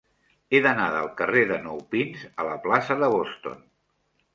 He d'anar del carrer de Nou Pins a la plaça de Boston.